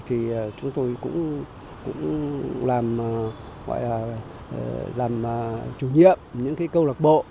thì chúng tôi cũng làm chủ nhiệm những cái câu lạc bộ